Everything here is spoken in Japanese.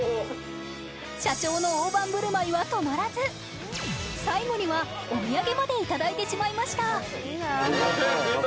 社長の大盤振る舞いは止まらず最後にはお土産まで頂いてしまいました